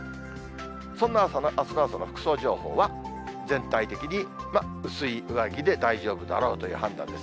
そんなあすの朝の服装情報は、全体的に薄い上着で大丈夫だろうという判断です。